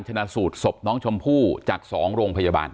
ชนะสูตรศพน้องชมพู่จาก๒โรงพยาบาล